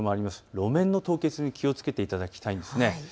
路面の凍結に気をつけていただきたいんですね。